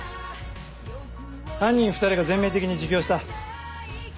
犯人２人が全面的に自供した。